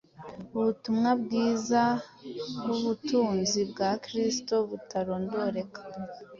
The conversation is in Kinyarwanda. ubutumwa bwiza bw’ubutunzi bwa Kristo butarondoreka.”